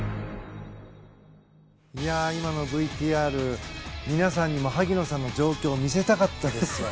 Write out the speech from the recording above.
今のＶＴＲ皆さんにも、萩野さんの状況を見せたかったですよ。